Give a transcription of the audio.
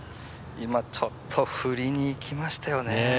今、ちょっと振りにいきましたよね。